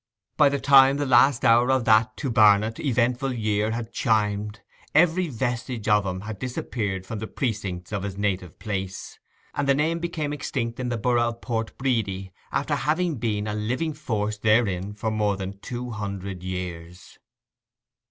By the time the last hour of that, to Barnet, eventful year had chimed, every vestige of him had disappeared from the precincts of his native place, and the name became extinct in the borough of Port Bredy, after having been a living force therein for more than two hundred years.